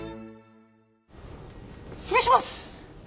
失礼します！